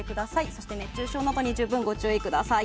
そして熱中症などに十分、ご注意ください。